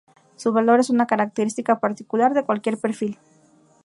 Su valor es una característica particular de cualquier perfil.